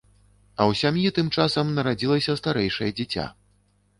А ў сям'і тым часам нарадзілася старэйшае дзіця.